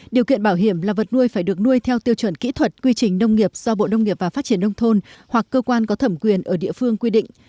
điều kiện bảo hiểm là vật nuôi phải được nuôi theo tiêu chuẩn kỹ thuật quy trình nông nghiệp do bộ nông nghiệp và phát triển nông thôn hoặc cơ quan có thẩm quyền ở địa phương quy định